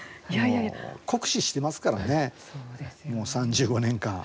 酷使してますからねもう３５年間。